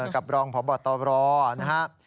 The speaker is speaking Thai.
กับรองพบัตรตลอดนะครับ